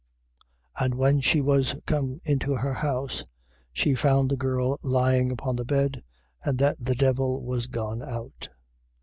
7:30. And when she was come into her house, she found the girl lying upon the bed and that the devil was gone out.